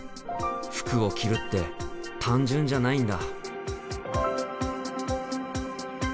服を着るって単純じゃないんだ。